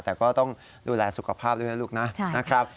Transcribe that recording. แต่ก็ต้องดูแลสุขภาพด้วยนะลูกนะนะครับ